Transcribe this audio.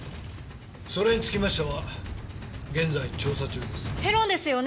それにつきましては現在調査中です。